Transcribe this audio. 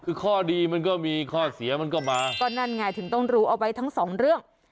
คือข้อดีมันก็มีข้อเสียมันก็มาก็นั่นไงถึงต้องรู้เอาไว้ทั้งสองเรื่อง